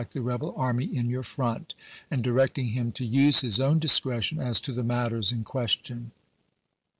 the rebel army in your front," and directing him to chap. ix. use his own discretion as to the matters in ques tion.